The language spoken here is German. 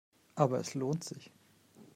Aber es lohnt sich.